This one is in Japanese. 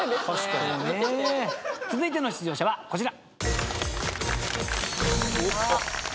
続いての出場者はこちら。